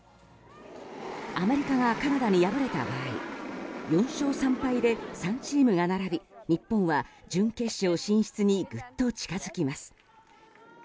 アメリカがカナダに敗れた場合４勝３敗で３チームが並び日本は準決勝進出にぐっと近づきます。